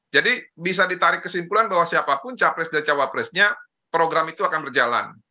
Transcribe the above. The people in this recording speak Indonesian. jadi bisa ditarik kesimpulan bahwa siapapun capres dan cawapresnya program itu akan berjalan